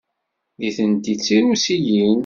Nitenti d Tirusiyin.